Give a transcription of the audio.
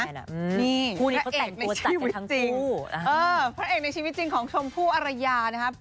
นี่คู่นี้เอกในชีวิตจริงพระเอกในชีวิตจริงของชมพู่อรยานะครับ